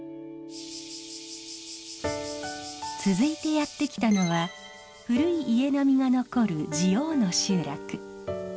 続いてやって来たのは古い家並みが残る地黄の集落。